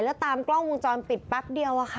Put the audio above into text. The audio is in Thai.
แล้วตามกล้องวงจรปิดแป๊บเดียวอะค่ะ